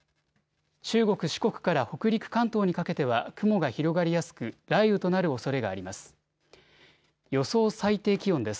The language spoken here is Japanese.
中国・四国から北陸関東にかけては雲が広がりやすく雷雨となるおそれがあります。